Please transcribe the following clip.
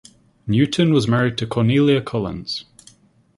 Newton was married to Cornelia Collins.